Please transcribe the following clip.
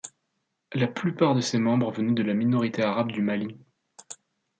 La plupart de ses membres venaient de la minorité arabe du Mali.